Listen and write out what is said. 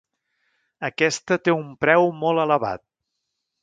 Aquesta té un preu molt elevat.